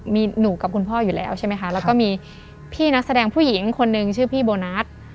มีหนูกับคุณพ่ออยู่แล้วใช่ไหมคะแล้วก็มีพี่นักแสดงผู้หญิงคนนึงชื่อพี่โบนัส